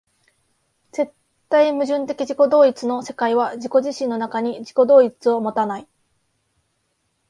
絶対矛盾的自己同一の世界は自己自身の中に自己同一を有たない。